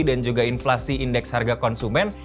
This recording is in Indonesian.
dan juga inflasi indeks harga konsumen